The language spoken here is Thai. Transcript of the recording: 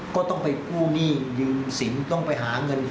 ก็ต้องไปกู้หนี้ยืมสินต้องไปหาเงิน